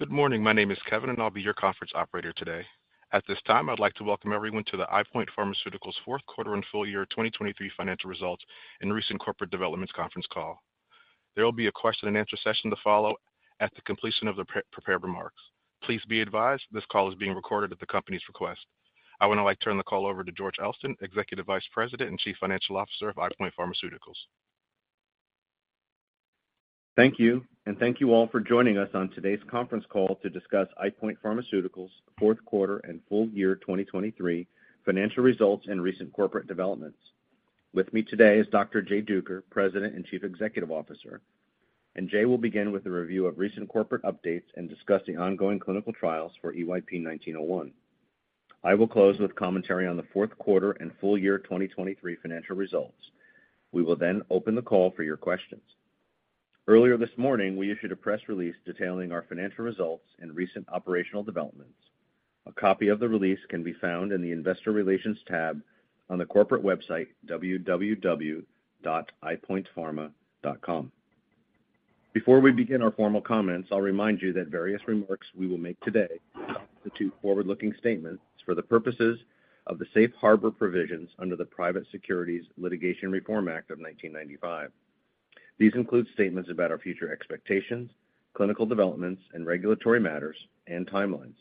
Good morning. My name is Kevin, and I'll be your conference operator today. At this time, I'd like to welcome everyone to the EyePoint Pharmaceuticals' fourth quarter and full year 2023 financial results and recent corporate developments conference call. There will be a question-and-answer session to follow at the completion of the prepared remarks. Please be advised this call is being recorded at the company's request. I would now like to turn the call over to George Elston, Executive Vice President and Chief Financial Officer of EyePoint Pharmaceuticals. Thank you, and thank you all for joining us on today's conference call to discuss EyePoint Pharmaceuticals' fourth quarter and full year 2023 financial results and recent corporate developments. With me today is Dr. Jay Duker, President and Chief Executive Officer, and Jay will begin with a review of recent corporate updates and discuss the ongoing clinical trials for EYP-1901. I will close with commentary on the fourth quarter and full year 2023 financial results. We will then open the call for your questions. Earlier this morning, we issued a press release detailing our financial results and recent operational developments. A copy of the release can be found in the Investor Relations tab on the corporate website www.eyepointpharma.com. Before we begin our formal comments, I'll remind you that various remarks we will make today constitute forward-looking statements for the purposes of the Safe Harbor provisions under the Private Securities Litigation Reform Act of 1995. These include statements about our future expectations, clinical developments and regulatory matters, and timelines,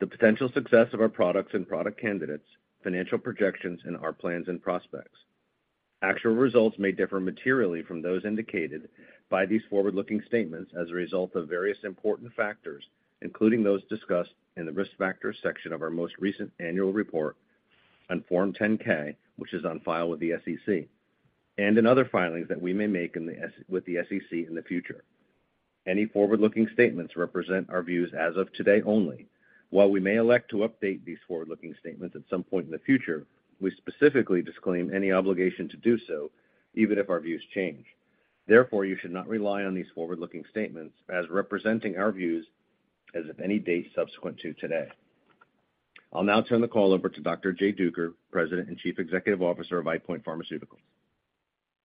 the potential success of our products and product candidates, financial projections, and our plans and prospects. Actual results may differ materially from those indicated by these forward-looking statements as a result of various important factors, including those discussed in the Risk Factors section of our most recent annual report on Form 10-K, which is on file with the SEC, and in other filings that we may make with the SEC in the future. Any forward-looking statements represent our views as of today only. While we may elect to update these forward-looking statements at some point in the future, we specifically disclaim any obligation to do so, even if our views change. Therefore, you should not rely on these forward-looking statements as representing our views as of any date subsequent to today. I'll now turn the call over to Dr. Jay Duker, President and Chief Executive Officer of EyePoint Pharmaceuticals.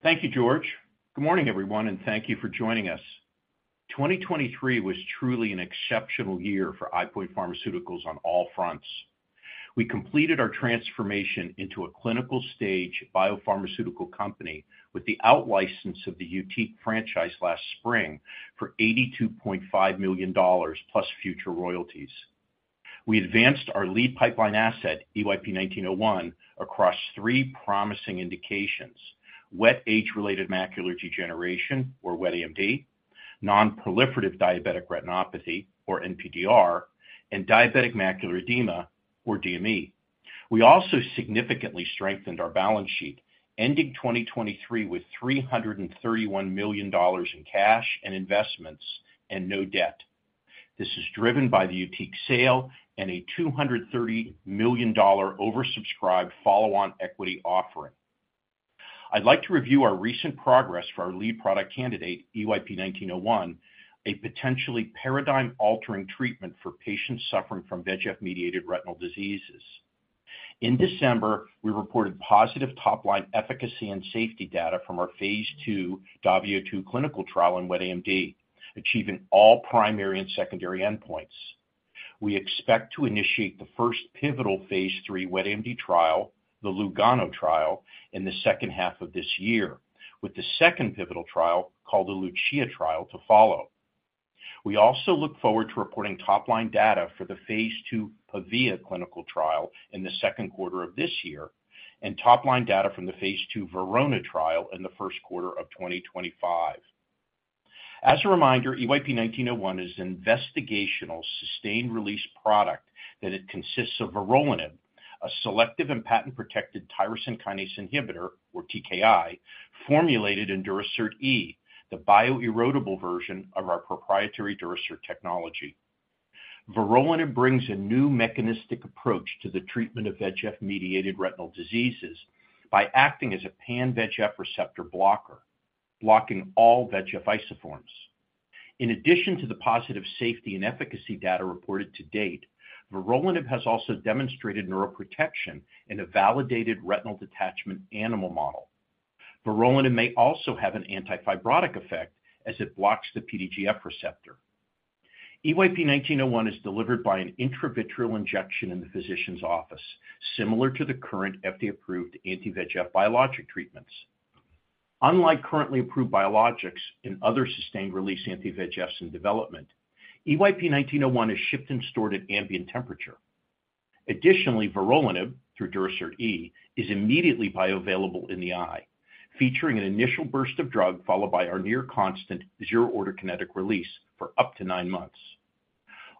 Thank you, George. Good morning, everyone, and thank you for joining us. 2023 was truly an exceptional year for EyePoint Pharmaceuticals on all fronts. We completed our transformation into a clinical-stage biopharmaceutical company with the outlicense of the YUTIQ franchise last spring for $82.5 million plus future royalties. We advanced our lead pipeline asset, EYP-1901, across three promising indications: wet age-related macular degeneration, or wet AMD; non-proliferative diabetic retinopathy, or NPDR; and diabetic macular edema, or DME. We also significantly strengthened our balance sheet, ending 2023 with $331 million in cash and investments and no debt. This is driven by the YUTIQ sale and a $230 million oversubscribed follow-on equity offering. I'd like to review our recent progress for our lead product candidate, EYP-1901, a potentially paradigm-altering treatment for patients suffering from VEGF-mediated retinal diseases. In December, we reported positive top-line efficacy and safety data from our phase II DAVIO 2 clinical trial in wet AMD, achieving all primary and secondary endpoints. We expect to initiate the first pivotal phase III wet AMD trial, the LUGANO trial, in the second half of this year, with the second pivotal trial called the LUCIA trial to follow. We also look forward to reporting top-line data for the phase II PAVIA clinical trial in the second quarter of this year and top-line data from the phase II VERONA trial in the first quarter of 2025. As a reminder, EYP-1901 is an investigational sustained-release product that consists of vorolanib, a selective and patent-protected tyrosine kinase inhibitor, or TKI, formulated in Durasert E, the bioerodible version of our proprietary Durasert technology. Vorolanib brings a new mechanistic approach to the treatment of VEGF-mediated retinal diseases by acting as a pan-VEGF receptor blocker, blocking all VEGF isoforms. In addition to the positive safety and efficacy data reported to date, vorolanib has also demonstrated neuroprotection in a validated retinal detachment animal model. Vorolanib may also have an anti-fibrotic effect as it blocks the PDGF receptor. EYP-1901 is delivered by an intravitreal injection in the physician's office, similar to the current FDA-approved anti-VEGF biologic treatments. Unlike currently approved biologics and other sustained-release anti-VEGFs in development, EYP-1901 is shipped and stored at ambient temperature. Additionally, vorolanib, through Durasert E, is immediately bioavailable in the eye, featuring an initial burst of drug followed by our near-constant zero-order kinetic release for up to nine months.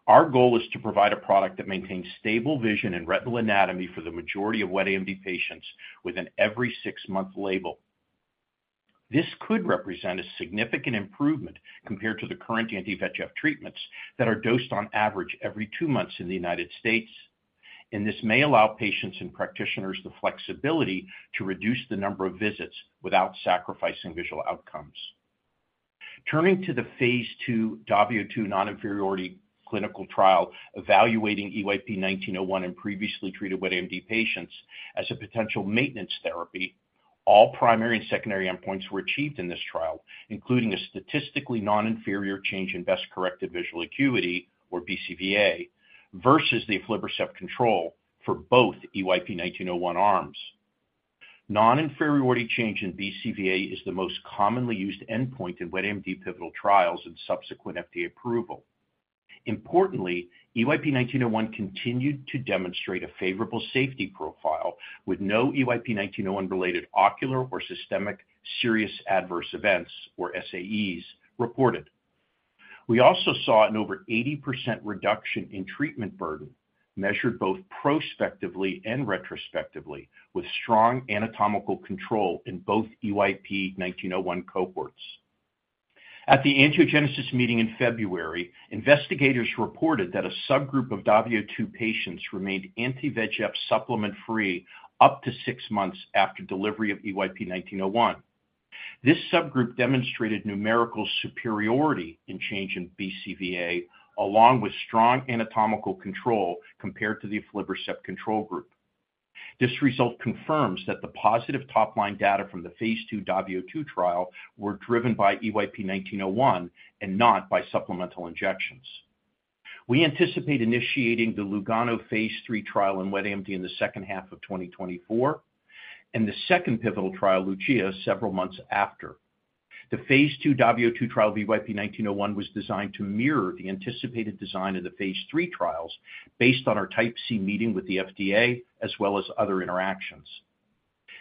Our goal is to provide a product that maintains stable vision and retinal anatomy for the majority of wet AMD patients with an every-six-month label. This could represent a significant improvement compared to the current anti-VEGF treatments that are dosed on average every two months in the United States, and this may allow patients and practitioners the flexibility to reduce the number of visits without sacrificing visual outcomes. Turning to the phase II DAVIO 2 non-inferiority clinical trial evaluating EYP-1901 in previously treated wet AMD patients as a potential maintenance therapy, all primary and secondary endpoints were achieved in this trial, including a statistically non-inferior change in best-corrected visual acuity, or BCVA, versus the aflibercept control for both EYP-1901 arms. Non-inferiority change in BCVA is the most commonly used endpoint in wet AMD pivotal trials and subsequent FDA approval. Importantly, EYP-1901 continued to demonstrate a favorable safety profile with no EYP-1901-related ocular or systemic serious adverse events, or SAEs, reported. We also saw an over 80% reduction in treatment burden, measured both prospectively and retrospectively, with strong anatomical control in both EYP-1901 cohorts. At the Angiogenesis meeting in February, investigators reported that a subgroup of DAVIO 2 patients remained anti-VEGF supplement-free up to six months after delivery of EYP-1901. This subgroup demonstrated numerical superiority in change in BCVA, along with strong anatomical control compared to the aflibercept control group. This result confirms that the positive top-line data from the phase II DAVIO 2 trial were driven by EYP-1901 and not by supplemental injections. We anticipate initiating the LUGANO phase III trial in wet AMD in the second half of 2024 and the second pivotal trial, LUCIA, several months after. The phase II DAVIO 2 trial of EYP-1901 was designed to mirror the anticipated design of the phase III trials based on our Type C meeting with the FDA as well as other interactions.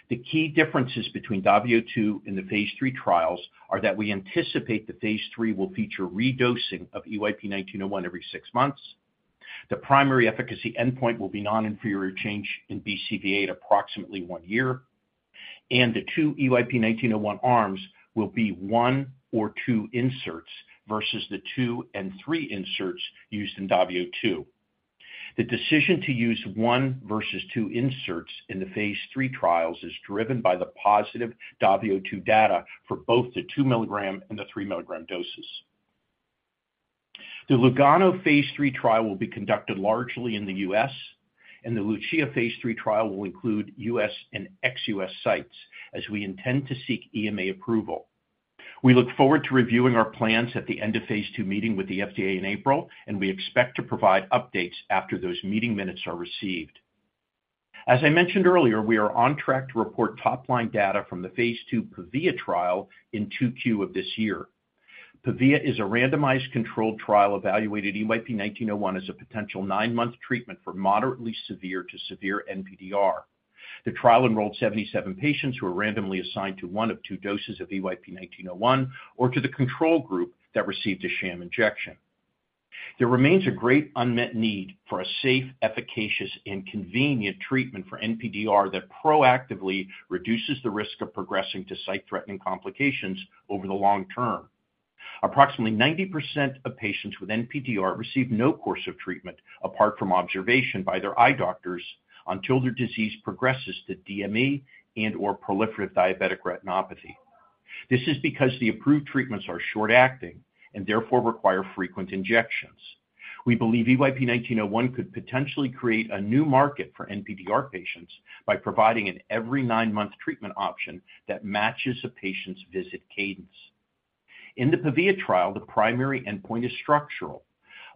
The key differences between DAVIO 2 and the phase III trials are that we anticipate the phase III will feature redosing of EYP-1901 every six months, the primary efficacy endpoint will be non-inferior change in BCVA at approximately one year, and the two EYP-1901 arms will be one or two inserts versus the two and three inserts used in DAVIO 2. The decision to use one versus two inserts in the phase III trials is driven by the positive DAVIO 2 data for both the 2 mg and the 3 mg doses. The LUGANO phase III trial will be conducted largely in the U.S., and the LUCIA phase III trial will include U.S. and ex-U.S. sites as we intend to seek EMA approval. We look forward to reviewing our plans at the end of phase II meeting with the FDA in April, and we expect to provide updates after those meeting minutes are received. As I mentioned earlier, we are on track to report top-line data from the phase II PAVIA trial in 2Q of this year. PAVIA is a randomized controlled trial evaluating EYP-1901 as a potential nine-month treatment for moderately severe to severe NPDR. The trial enrolled 77 patients who were randomly assigned to one of two doses of EYP-1901 or to the control group that received a sham injection. There remains a great unmet need for a safe, efficacious, and convenient treatment for NPDR that proactively reduces the risk of progressing to sight-threatening complications over the long term. Approximately 90% of patients with NPDR receive no course of treatment apart from observation by their eye doctors until their disease progresses to DME and/or proliferative diabetic retinopathy. This is because the approved treatments are short-acting and therefore require frequent injections. We believe EYP-1901 could potentially create a new market for NPDR patients by providing an every-nine-month treatment option that matches a patient's visit cadence. In the PAVIA trial, the primary endpoint is structural: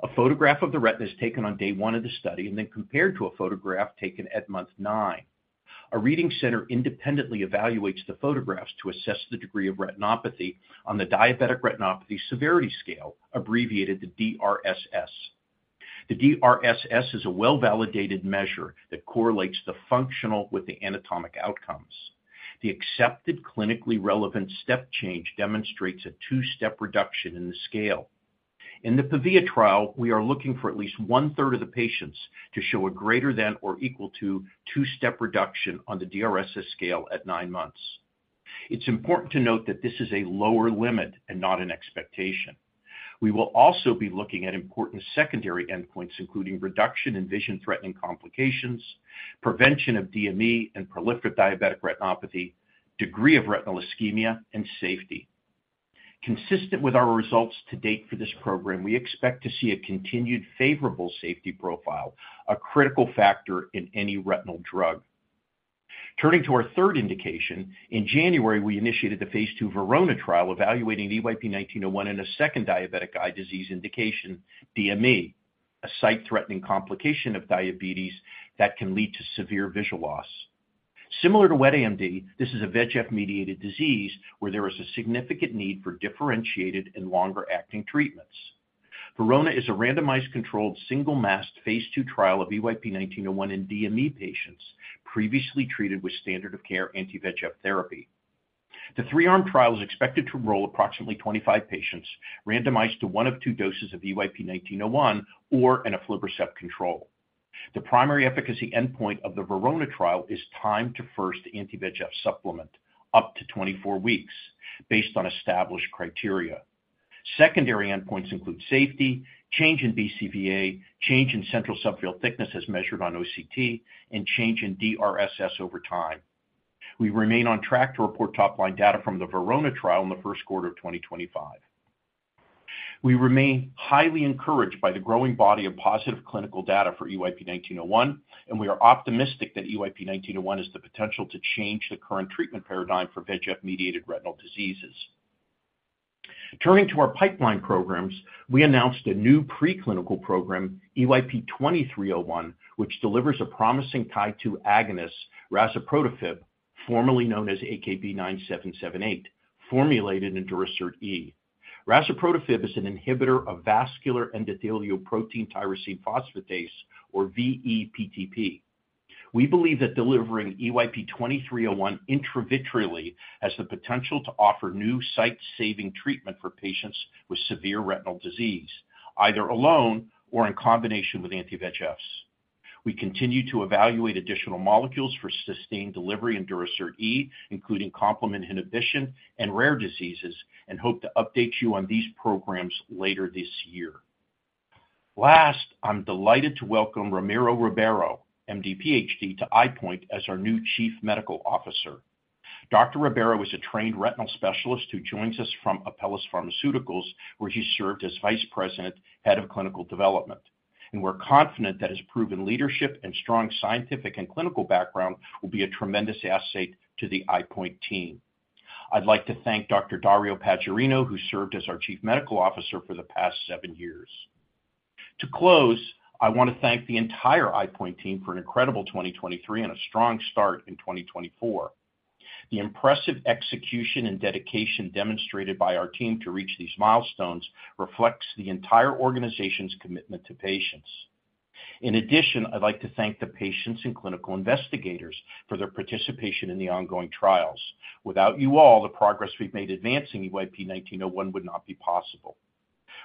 a photograph of the retina is taken on day one of the study and then compared to a photograph taken at month nine. A reading center independently evaluates the photographs to assess the degree of retinopathy on the Diabetic Retinopathy Severity Scale, abbreviated to DRSS. The DRSS is a well-validated measure that correlates the functional with the anatomic outcomes. The accepted clinically relevant step change demonstrates a two-step reduction in the scale. In the PAVIA trial, we are looking for at least one-third of the patients to show a greater than or equal to two-step reduction on the DRSS scale at nine months. It's important to note that this is a lower limit and not an expectation. We will also be looking at important secondary endpoints, including reduction in vision-threatening complications, prevention of DME and proliferative diabetic retinopathy, degree of retinal ischemia, and safety. Consistent with our results to date for this program, we expect to see a continued favorable safety profile, a critical factor in any retinal drug. Turning to our third indication, in January, we initiated the phase II VERONA trial evaluating EYP-1901 and a second diabetic eye disease indication, DME, a sight-threatening complication of diabetes that can lead to severe visual loss. Similar to wet AMD, this is a VEGF-mediated disease where there is a significant need for differentiated and longer-acting treatments. VERONA is a randomized controlled single-masked phase II trial of EYP-1901 in DME patients previously treated with standard-of-care anti-VEGF therapy. The three-arm trial is expected to enroll approximately 25 patients randomized to one of two doses of EYP-1901 or an aflibercept control. The primary efficacy endpoint of the VERONA trial is time to first anti-VEGF supplement, up to 24 weeks, based on established criteria. Secondary endpoints include safety, change in BCVA, change in central subfoveal thickness as measured on OCT, and change in DRSS over time. We remain on track to report top-line data from the VERONA trial in the first quarter of 2025. We remain highly encouraged by the growing body of positive clinical data for EYP-1901, and we are optimistic that EYP-1901 has the potential to change the current treatment paradigm for VEGF-mediated retinal diseases. Turning to our pipeline programs, we announced a new preclinical program, EYP-2301, which delivers a promising Tie-2 agonist, razuprotafib, formerly known as AKB-9778, formulated in Durasert E. Razuprotafib is an inhibitor of vascular endothelial protein tyrosine phosphatase, or VE-PTP. We believe that delivering EYP-2301 intravitreally has the potential to offer new sight-saving treatment for patients with severe retinal disease, either alone or in combination with anti-VEGFs. We continue to evaluate additional molecules for sustained delivery in Durasert E, including complement inhibition and rare diseases, and hope to update you on these programs later this year. Last, I'm delighted to welcome Ramiro Ribeiro, MD, PhD, to EyePoint as our new Chief Medical Officer. Dr. Ribeiro is a trained retinal specialist who joins us from Apellis Pharmaceuticals, where he served as Vice President, head of clinical development, and we're confident that his proven leadership and strong scientific and clinical background will be a tremendous asset to the EyePoint team. I'd like to thank Dr. Dario Paggiarino, who served as our Chief Medical Officer for the past seven years. To close, I want to thank the entire EyePoint team for an incredible 2023 and a strong start in 2024. The impressive execution and dedication demonstrated by our team to reach these milestones reflects the entire organization's commitment to patients. In addition, I'd like to thank the patients and clinical investigators for their participation in the ongoing trials. Without you all, the progress we've made advancing EYP-1901 would not be possible.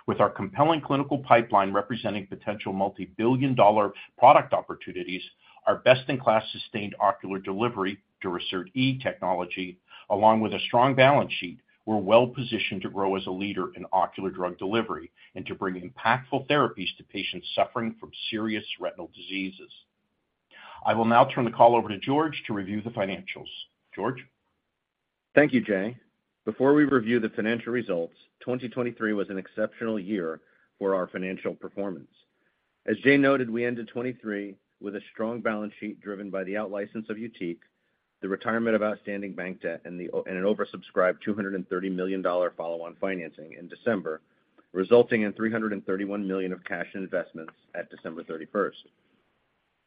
With our compelling clinical pipeline representing potential multi-billion-dollar product opportunities, our best-in-class sustained ocular delivery, Durasert E technology, along with a strong balance sheet, we're well positioned to grow as a leader in ocular drug delivery and to bring impactful therapies to patients suffering from serious retinal diseases. I will now turn the call over to George to review the financials. George? Thank you, Jay. Before we review the financial results, 2023 was an exceptional year for our financial performance. As Jay noted, we ended 2023 with a strong balance sheet driven by the outlicense of YUTIQ, the retirement of outstanding bank debt, and an oversubscribed $230 million follow-on financing in December, resulting in $331 million of cash investments at December 31st.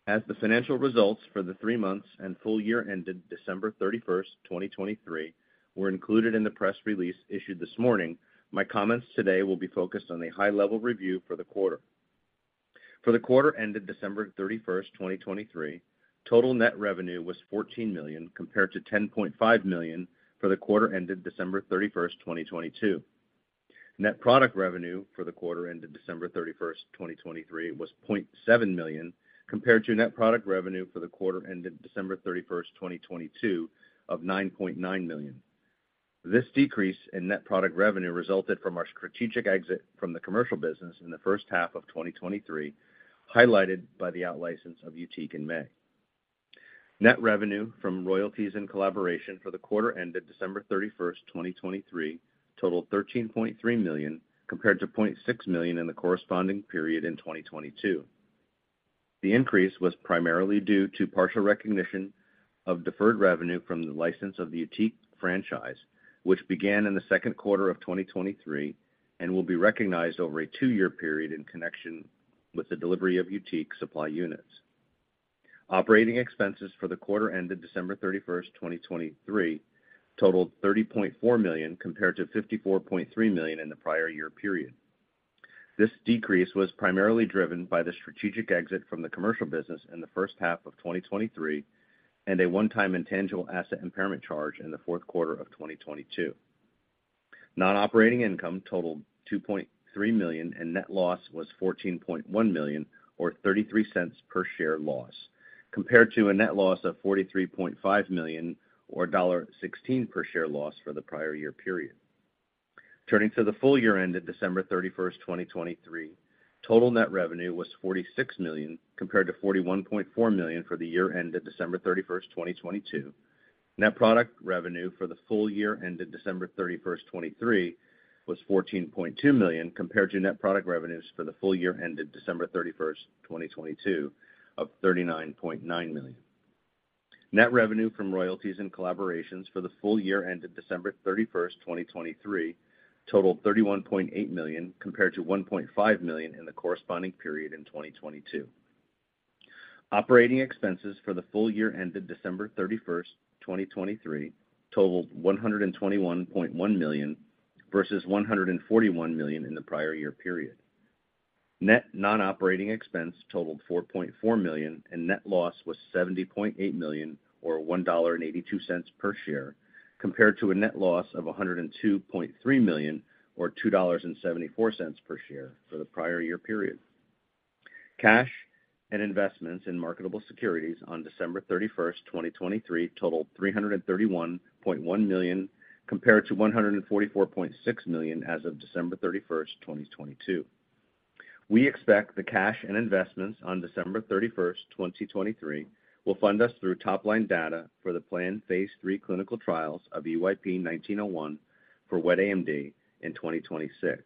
As the financial results for the three months and full year ended December 31st, 2023, were included in the press release issued this morning, my comments today will be focused on the high-level review for the quarter. For the quarter ended December 31st, 2023, total net revenue was $14 million compared to $10.5 million for the quarter ended December 31st, 2022. Net product revenue for the quarter ended December 31st, 2023, was $0.7 million compared to net product revenue for the quarter ended December 31st, 2022, of $9.9 million. This decrease in net product revenue resulted from our strategic exit from the commercial business in the first half of 2023, highlighted by the outlicense of YUTIQ in May. Net revenue from royalties and collaboration for the quarter ended December 31st, 2023, totaled $13.3 million compared to $0.6 million in the corresponding period in 2022. The increase was primarily due to partial recognition of deferred revenue from the license of the YUTIQ franchise, which began in the second quarter of 2023 and will be recognized over a two-year period in connection with the delivery of YUTIQ supply units. Operating expenses for the quarter ended December 31st, 2023, totaled $30.4 million compared to $54.3 million in the prior year period. This decrease was primarily driven by the strategic exit from the commercial business in the first half of 2023 and a one-time intangible asset impairment charge in the fourth quarter of 2022. Non-operating income totaled $2.3 million, and net loss was $14.1 million or $0.33 per share loss compared to a net loss of $43.5 million or $16 per share loss for the prior year period. Turning to the full year ended December 31st, 2023, total net revenue was $46 million compared to $41.4 million for the year ended December 31st, 2022. Net product revenue for the full year ended December 31st, 2023, was $14.2 million compared to net product revenues for the full year ended December 31st, 2022, of $39.9 million. Net revenue from royalties and collaborations for the full year ended December 31st, 2023, totaled $31.8 million compared to $1.5 million in the corresponding period in 2022. Operating expenses for the full year ended December 31st, 2023, totaled $121.1 million versus $141 million in the prior year period. Net non-operating expense totaled $4.4 million, and net loss was $70.8 million or $1.82 per share compared to a net loss of $102.3 million or $2.74 per share for the prior year period. Cash and investments in marketable securities on December 31st, 2023, totaled $331.1 million compared to $144.6 million as of December 31st, 2022. We expect the cash and investments on December 31st, 2023, will fund us through top-line data for the planned phase III clinical trials of EYP-1901 for wet AMD in 2026.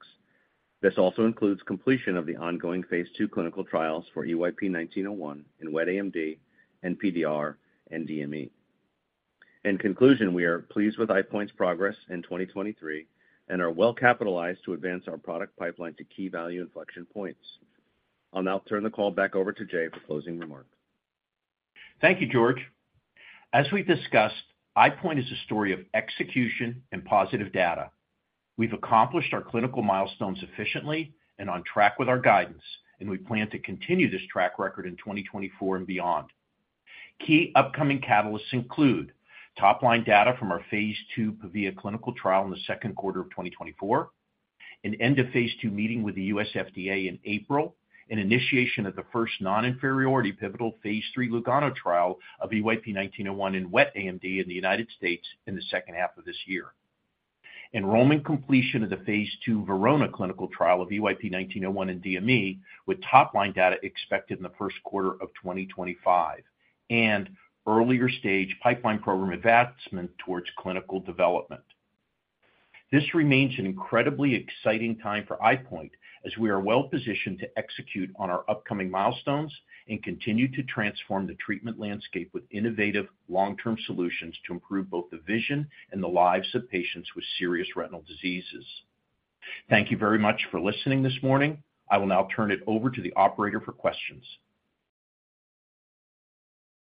This also includes completion of the ongoing phase II clinical trials for EYP-1901 in wet AMD, NPDR, and DME. In conclusion, we are pleased with EyePoint's progress in 2023 and are well capitalized to advance our product pipeline to key value inflection points. I'll now turn the call back over to Jay for closing remarks. Thank you, George. As we discussed, EyePoint is a story of execution and positive data. We've accomplished our clinical milestones efficiently and on track with our guidance, and we plan to continue this track record in 2024 and beyond. Key upcoming catalysts include top-line data from our phase II PAVIA clinical trial in the second quarter of 2024, an end-of-phase II meeting with the U.S. FDA in April, and initiation of the first non-inferiority pivotal phase III LUGANO trial of EYP-1901 in wet AMD in the United States in the second half of this year. Enrollment completion of the phase II VERONA clinical trial of EYP-1901 in DME with top-line data expected in the first quarter of 2025 and earlier-stage pipeline program advancement towards clinical development. This remains an incredibly exciting time for EyePoint as we are well positioned to execute on our upcoming milestones and continue to transform the treatment landscape with innovative, long-term solutions to improve both the vision and the lives of patients with serious retinal diseases. Thank you very much for listening this morning. I will now turn it over to the operator for questions.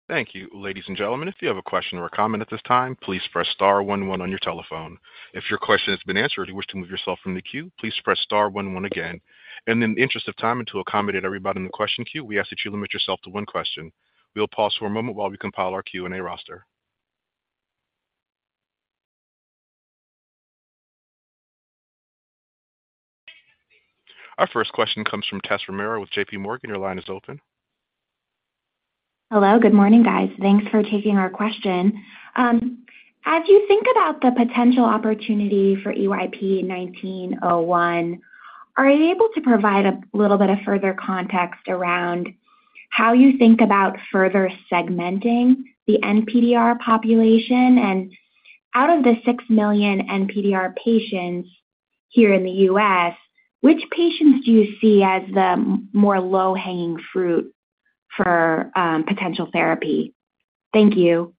Thank you. Ladies and gentlemen, if you have a question or a comment at this time, please press star one one on your telephone. If your question has been answered and you wish to move yourself from the queue, please press star one one again. And in the interest of time and to accommodate everybody in the question queue, we ask that you limit yourself to one question. We'll pause for a moment while we compile our Q&A roster. Our first question comes from Tessa Romero with JPMorgan. Your line is open. Hello. Good morning, guys. Thanks for taking our question. As you think about the potential opportunity for EYP-1901, are you able to provide a little bit of further context around how you think about further segmenting the NPDR population? And out of the 6 million NPDR patients here in the U.S., which patients do you see as the more low-hanging fruit for potential therapy? Thank you.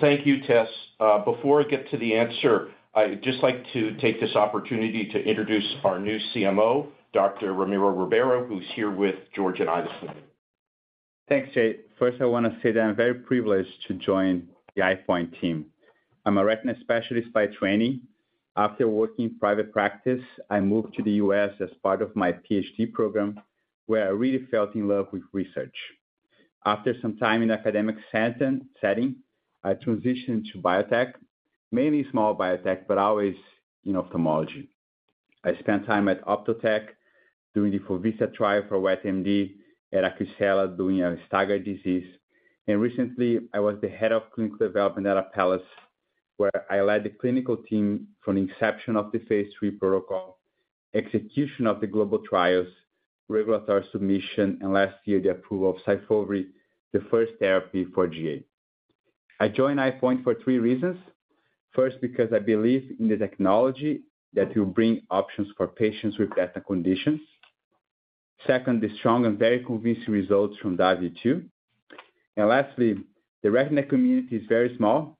Thank you, Tess. Before I get to the answer, I'd just like to take this opportunity to introduce our new CMO, Dr. Ramiro Ribeiro, who's here with George and I this morning. Thanks, Jay. First, I want to say that I'm very privileged to join the EyePoint team. I'm a retina specialist by training. After working in private practice, I moved to the U.S. as part of my PhD program, where I really fell in love with research. After some time in the academic setting, I transitioned to biotech, mainly small biotech, but always ophthalmology. I spent time at Ophthotech doing the Fovista trial for wet AMD, at Acucela doing Stargardt disease, and recently, I was the Head of Clinical Development at Apellis, where I led the clinical team from the inception of the phase III protocol, execution of the global trials, regulatory submission, and last year, the approval of SYFOVRE, the first therapy for GA. I joined EyePoint for three reasons. First, because I believe in the technology that will bring options for patients with retinal conditions. Second, the strong and very convincing results from DAVIO 2. And lastly, the retina community is very small,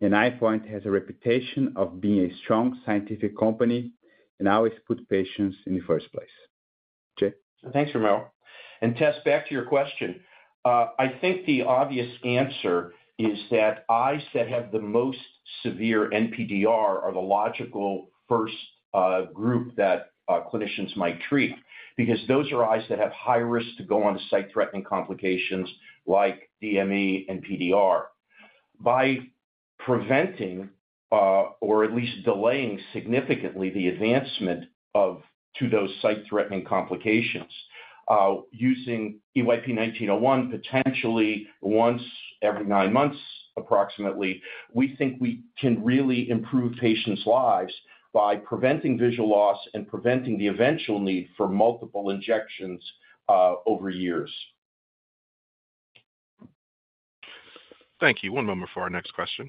and EyePoint has a reputation of being a strong scientific company and always puts patients in the first place. Jay? Thanks, Ramiro. Tess, back to your question. I think the obvious answer is that eyes that have the most severe NPDR are the logical first group that clinicians might treat because those are eyes that have high risk to go on to sight-threatening complications like DME, NPDR. By preventing or at least delaying significantly the advancement to those sight-threatening complications using EYP-1901 potentially once every nine months approximately, we think we can really improve patients' lives by preventing visual loss and preventing the eventual need for multiple injections over years. Thank you. One moment for our next question.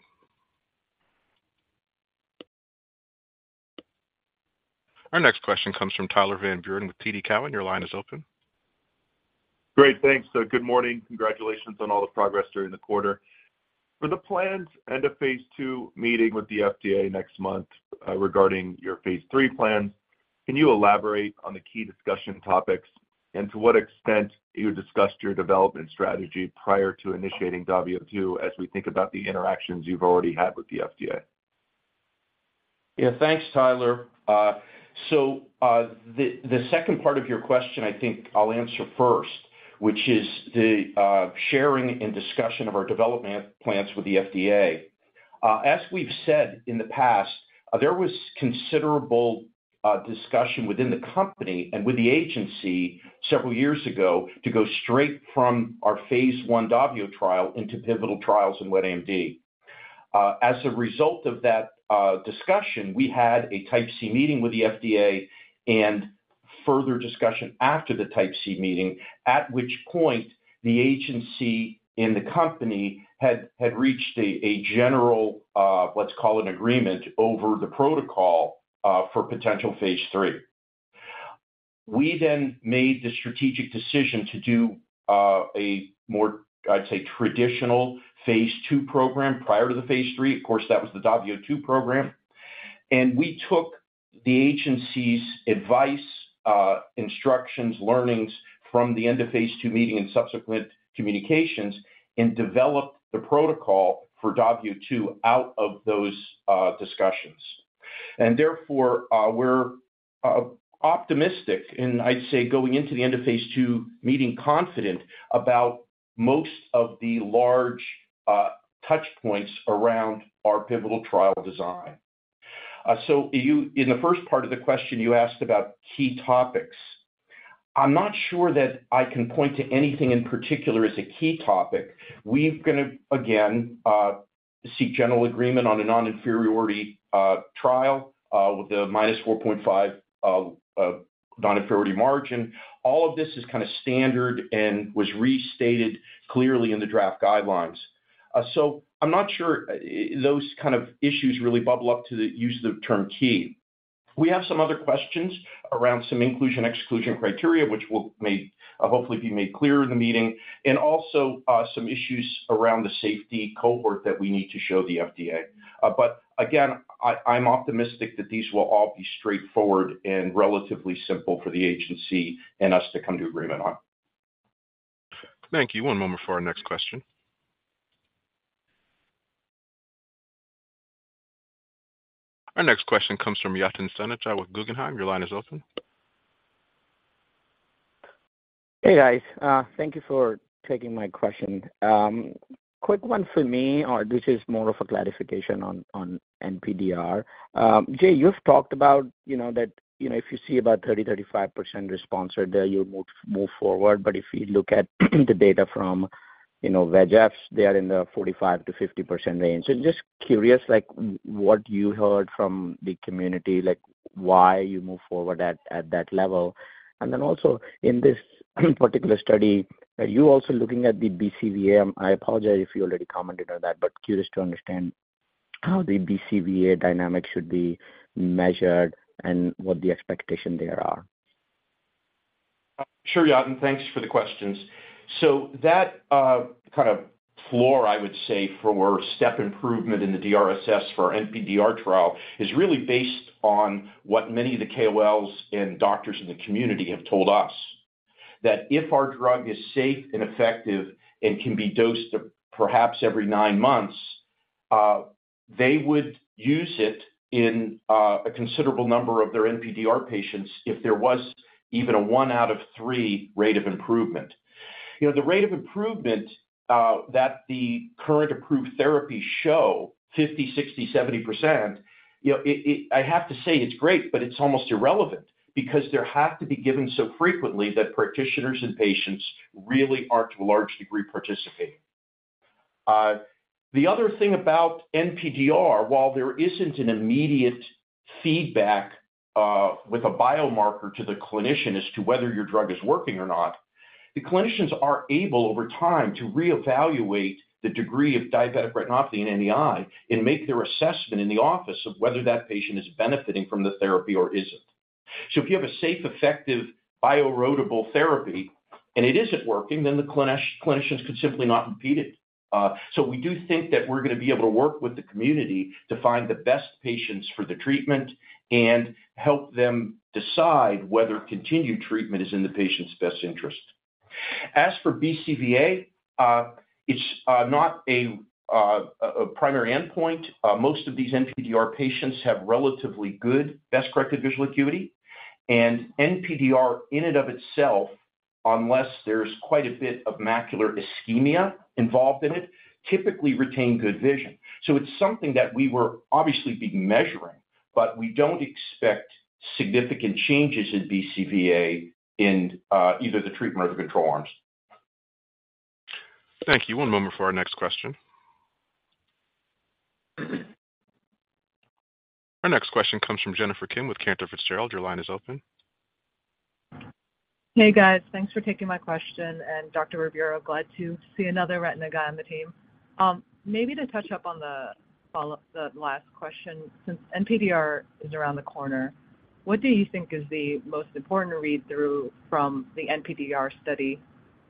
Our next question comes from Tyler Van Buren with TD Cowen. Your line is open. Great. Thanks. Good morning. Congratulations on all the progress during the quarter. For the planned end-of-phase II meeting with the FDA next month regarding your phase III plans, can you elaborate on the key discussion topics and to what extent you discussed your development strategy prior to initiating DAVIO 2 as we think about the interactions you've already had with the FDA? Yeah. Thanks, Tyler. So the second part of your question, I think I'll answer first, which is the sharing and discussion of our development plans with the FDA. As we've said in the past, there was considerable discussion within the company and with the agency several years ago to go straight from our phase I DAVIO trial into pivotal trials in wet AMD. As a result of that discussion, we had a Type C meeting with the FDA and further discussion after the Type C meeting, at which point the agency in the company had reached a general, let's call it, agreement over the protocol for potential phase III. We then made the strategic decision to do a more, I'd say, traditional phase II program prior to the phase III. Of course, that was the DAVIO 2 program. And we took the agency's advice, instructions, learnings from the end-of-phase II meeting and subsequent communications and developed the protocol for DAVIO 2 out of those discussions. And therefore, we're optimistic and, I'd say, going into the end-of-phase II meeting confident about most of the large touchpoints around our pivotal trial design. So in the first part of the question, you asked about key topics. I'm not sure that I can point to anything in particular as a key topic. We're going to, again, seek general agreement on a non-inferiority trial with a -4.5 non-inferiority margin. All of this is kind of standard and was restated clearly in the draft guidelines. So I'm not sure those kind of issues really bubble up to use the term key. We have some other questions around some inclusion/exclusion criteria, which will hopefully be made clear in the meeting, and also some issues around the safety cohort that we need to show the FDA. But again, I'm optimistic that these will all be straightforward and relatively simple for the agency and us to come to agreement on. Thank you. One moment for our next question. Our next question comes from Yatin Suneja with Guggenheim. Your line is open. Hey, guys. Thank you for taking my question. Quick one for me, or this is more of a clarification on NPDR. Jay, you've talked about that if you see about 30%-35% response right there, you'll move forward. But if you look at the data from VEGFs, they are in the 45%-50% range. So just curious what you heard from the community, why you move forward at that level. And then also in this particular study, you're also looking at the BCVA. I apologize if you already commented on that, but curious to understand how the BCVA dynamic should be measured and what the expectations there are. Sure, Yatin. Thanks for the questions. So that kind of floor, I would say, for step improvement in the DRSS for our NPDR trial is really based on what many of the KOLs and doctors in the community have told us, that if our drug is safe and effective and can be dosed perhaps every nine months, they would use it in a considerable number of their NPDR patients if there was even a one out of three rate of improvement. The rate of improvement that the current approved therapies show, 50%, 60%, 70%, I have to say it's great, but it's almost irrelevant because there have to be given so frequently that practitioners and patients really aren't, to a large degree, participating. The other thing about NPDR, while there isn't an immediate feedback with a biomarker to the clinician as to whether your drug is working or not, the clinicians are able, over time, to reevaluate the degree of diabetic retinopathy in any eye and make their assessment in the office of whether that patient is benefiting from the therapy or isn't. So if you have a safe, effective, bioerodible therapy and it isn't working, then the clinicians could simply not repeat it. So we do think that we're going to be able to work with the community to find the best patients for the treatment and help them decide whether continued treatment is in the patient's best interest. As for BCVA, it's not a primary endpoint. Most of these NPDR patients have relatively good best-corrected visual acuity. NPDR in and of itself, unless there's quite a bit of macular ischemia involved in it, typically retains good vision. It's something that we were obviously being measuring, but we don't expect significant changes in BCVA in either the treatment or the control arms. Thank you. One moment for our next question. Our next question comes from Jennifer Kim with Cantor Fitzgerald. Your line is open. Hey, guys. Thanks for taking my question. Dr. Ribeiro, glad to see another retina guy on the team. Maybe to touch up on the last question, since NPDR is around the corner, what do you think is the most important to read through from the NPDR study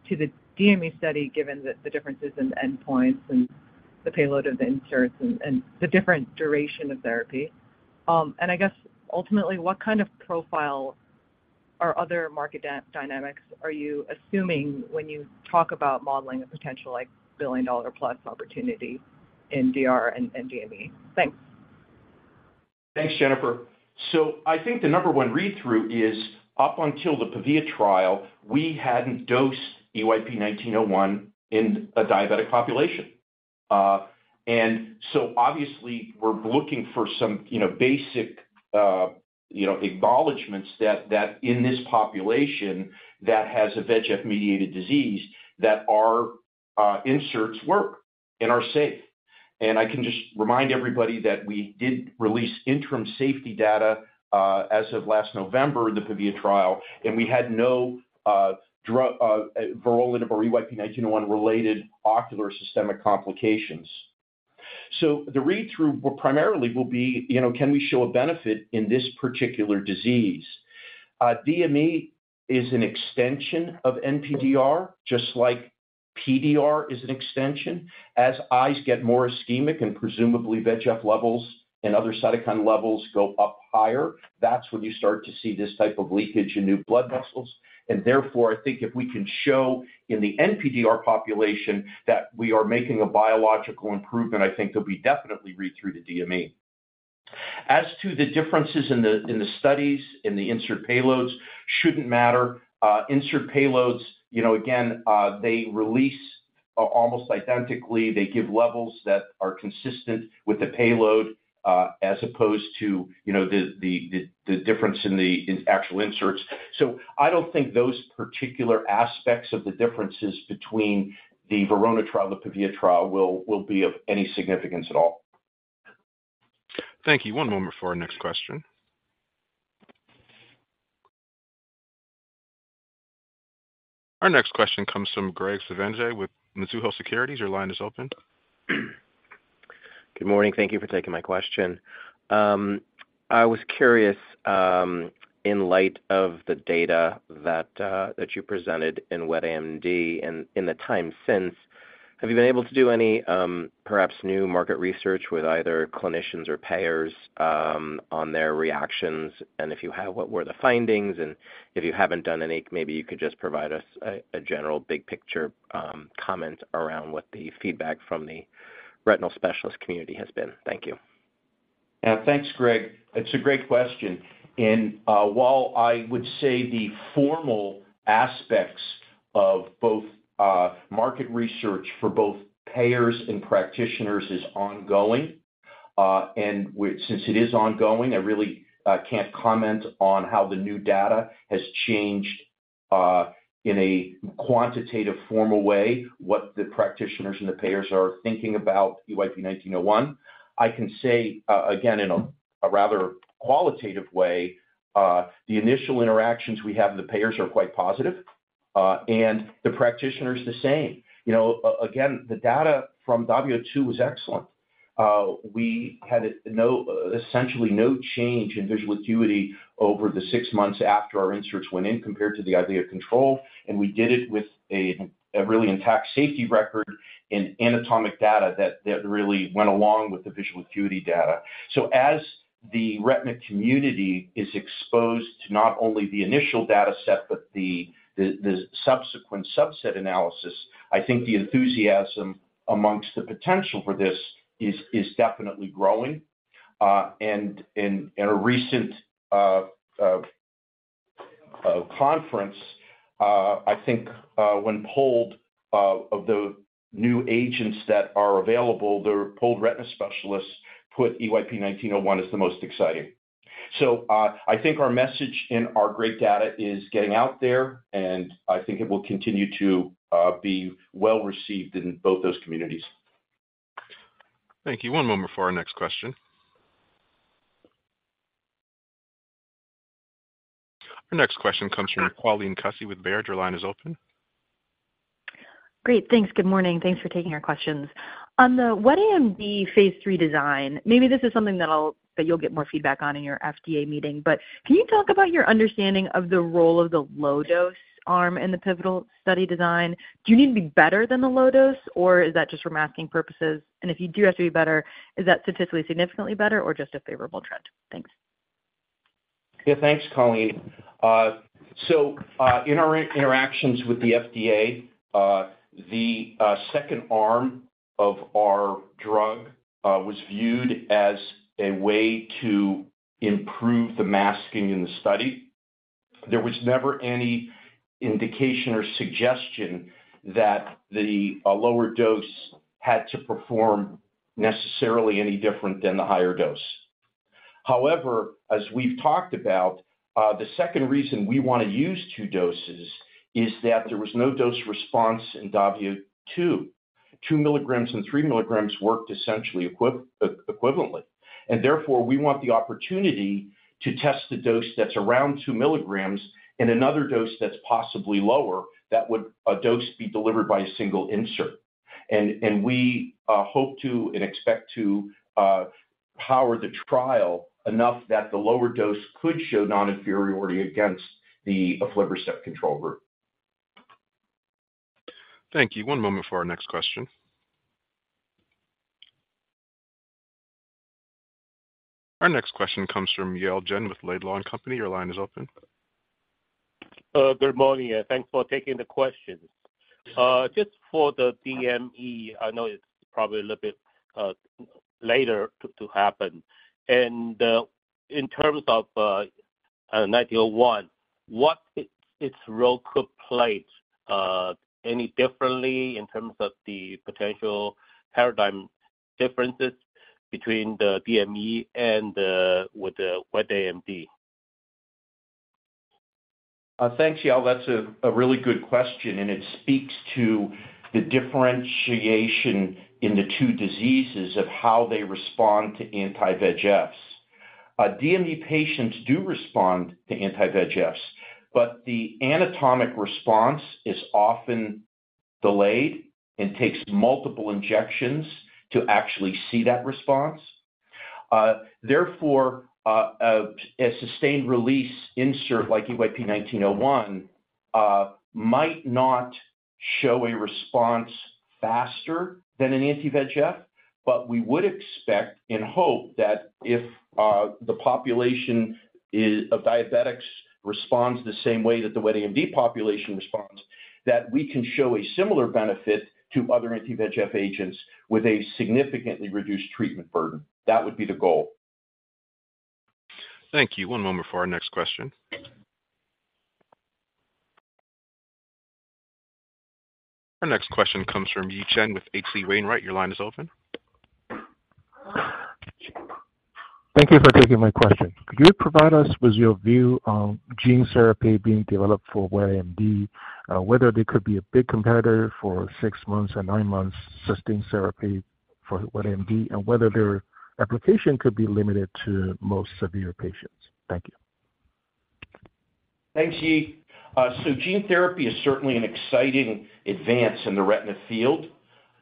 to the DME study given the differences in endpoints and the payload of the inserts and the different duration of therapy? And I guess, ultimately, what kind of profile or other market dynamics are you assuming when you talk about modeling a potential billion-dollar-plus opportunity in DR and DME? Thanks. Thanks, Jennifer. So I think the number one read-through is, up until the PAVIA trial, we hadn't dosed EYP-1901 in a diabetic population. So obviously, we're looking for some basic acknowledgments that in this population that has a VEGF-mediated disease, that our inserts work and are safe. And I can just remind everybody that we did release interim safety data as of last November, the PAVIA trial, and we had no vorolanib- or EYP-1901-related ocular or systemic complications. So the read-through primarily will be, can we show a benefit in this particular disease? DME is an extension of NPDR, just like PDR is an extension. As eyes get more ischemic and presumably VEGF levels and other cytokine levels go up higher, that's when you start to see this type of leakage in new blood vessels. And therefore, I think if we can show in the NPDR population that we are making a biological improvement, I think there'll be definitely read-through to DME. As to the differences in the studies, in the insert payloads, shouldn't matter. Insert payloads, again, they release almost identically. They give levels that are consistent with the payload as opposed to the difference in the actual inserts. So I don't think those particular aspects of the differences between the VERONA trial, the PAVIA trial, will be of any significance at all. Thank you. One moment for our next question. Our next question comes from Graig Suvannavejh with Mizuho Securities. Your line is open. Good morning. Thank you for taking my question. I was curious, in light of the data that you presented in wet AMD and in the time since, have you been able to do any perhaps new market research with either clinicians or payers on their reactions? And if you have, what were the findings? And if you haven't done any, maybe you could just provide us a general big-picture comment around what the feedback from the retinal specialist community has been. Thank you. Yeah. Thanks, Graig. It's a great question. And while I would say the formal aspects of both market research for both payers and practitioners is ongoing, and since it is ongoing, I really can't comment on how the new data has changed in a quantitative, formal way what the practitioners and the payers are thinking about EYP-1901. I can say, again, in a rather qualitative way, the initial interactions we have with the payers are quite positive, and the practitioners the same. Again, the data from DAVIO 2 was excellent. We had essentially no change in visual acuity over the six months after our inserts went in compared to the idea of control. And we did it with a really intact safety record and anatomic data that really went along with the visual acuity data. So as the retina community is exposed to not only the initial dataset but the subsequent subset analysis, I think the enthusiasm amongst the potential for this is definitely growing. And at a recent conference, I think when polled of the new agents that are available, the polled retina specialists put EYP-1901 as the most exciting. So I think our message in our great data is getting out there, and I think it will continue to be well received in both those communities. Thank you. One moment for our next question. Our next question comes from Colleen Kusy with Baird. Your line is open. Great. Thanks. Good morning. Thanks for taking our questions. On the wet AMD phase III design, maybe this is something that you'll get more feedback on in your FDA meeting, but can you talk about your understanding of the role of the low-dose arm in the pivotal study design? Do you need to be better than the low dose, or is that just for masking purposes? And if you do have to be better, is that statistically significantly better or just a favorable trend? Thanks. Yeah. Thanks, Colleen. So in our interactions with the FDA, the second arm of our drug was viewed as a way to improve the masking in the study. There was never any indication or suggestion that the lower dose had to perform necessarily any different than the higher dose. However, as we've talked about, the second reason we want to use two doses is that there was no dose response in DAVIO 2. 2 mg and 3 mg worked essentially equivalently. And therefore, we want the opportunity to test a dose that's around 2 mg and another dose that's possibly lower that would be delivered by a single insert. And we hope to and expect to power the trial enough that the lower dose could show non-inferiority against the aflibercept control group. Thank you. One moment for our next question. Our next question comes from Yale Jen with Laidlaw & Company. Your line is open. Good morning. Thanks for taking the questions. Just for the DME, I know it's probably a little bit later to happen. And in terms of 1901, what its role could play any differently in terms of the potential paradigm differences between the DME and with wet AMD? Thanks, Yale. That's a really good question, and it speaks to the differentiation in the two diseases of how they respond to anti-VEGFs. DME patients do respond to anti-VEGFs, but the anatomic response is often delayed and takes multiple injections to actually see that response. Therefore, a sustained-release insert like EYP-1901 might not show a response faster than an anti-VEGF, but we would expect and hope that if the population of diabetics responds the same way that the wet AMD population responds, that we can show a similar benefit to other anti-VEGF agents with a significantly reduced treatment burden. That would be the goal. Thank you. One moment for our next question. Our next question comes from Yi Chen with H.C. Wainwright. Your line is open. Thank you for taking my question. Could you provide us with your view on gene therapy being developed for wet AMD, whether they could be a big competitor for six months and nine months sustained therapy for wet AMD, and whether their application could be limited to most severe patients? Thank you. Thanks, Yi. So gene therapy is certainly an exciting advance in the retina field.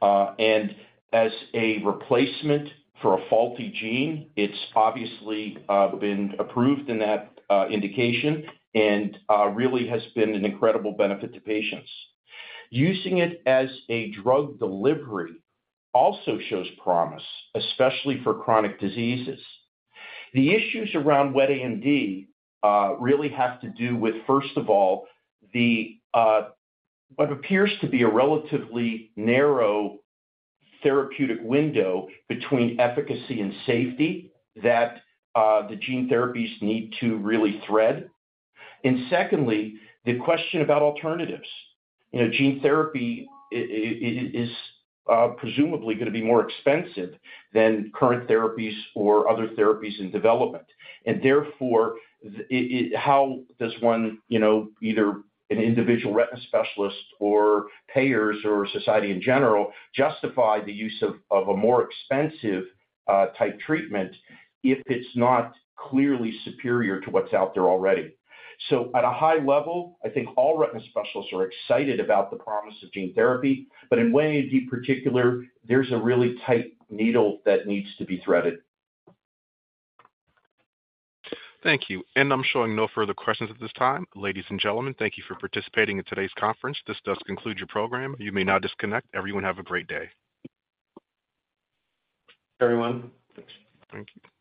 And as a replacement for a faulty gene, it's obviously been approved in that indication and really has been an incredible benefit to patients. Using it as a drug delivery also shows promise, especially for chronic diseases. The issues around wet AMD really have to do with, first of all, what appears to be a relatively narrow therapeutic window between efficacy and safety that the gene therapies need to really thread. And secondly, the question about alternatives. Gene therapy is presumably going to be more expensive than current therapies or other therapies in development. And therefore, how does either an individual retina specialist or payers or society in general justify the use of a more expensive-type treatment if it's not clearly superior to what's out there already? At a high level, I think all retina specialists are excited about the promise of gene therapy, but in wet AMD particular, there's a really tight needle that needs to be threaded. Thank you. I'm showing no further questions at this time. Ladies and gentlemen, thank you for participating in today's conference. This does conclude your program. You may now disconnect. Everyone, have a great day. Thank you. Thank you.